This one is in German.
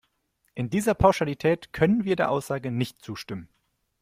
In dieser Pauschalität können wir der Aussage nicht zustimmen.